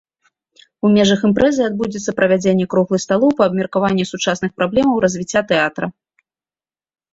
У межах імпрэзы адбудзецца правядзенне круглых сталоў па абмеркаванню сучасных праблемаў развіцця тэатра.